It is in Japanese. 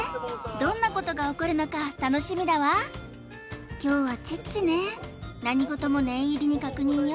どんなことが起こるのか楽しみだわ凶はチッチね何事も念入りに確認よ